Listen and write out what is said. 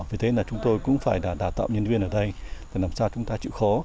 vì thế là chúng tôi cũng phải đào tạo nhân viên ở đây làm sao chúng ta chịu khó